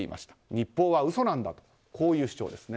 日報は嘘なんだとこういう主張です。